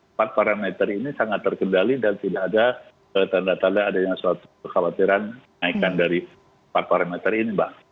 empat parameter ini sangat terkendali dan tidak ada tanda tanda adanya suatu kekhawatiran naikan dari empat parameter ini mbak